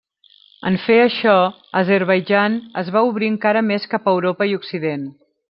En fer això, Azerbaidjan es va obrir encara més cap a Europa i Occident.